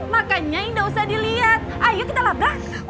makanya yang nggak usah diliat ayo kita labrak